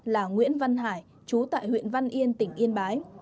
là nguyễn văn hải chú tại huyện văn yên tỉnh yên bái